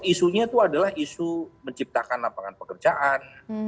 isunya itu adalah isu menciptakan lapangan pekerjaan